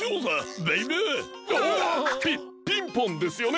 ピピンポンですよね？